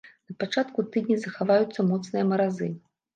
На пачатку тыдня захаваюцца моцныя маразы.